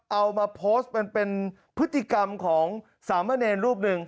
เอามาโพสต์มันเป็นพฤติกรรมของสามเณรรูปหนึ่ง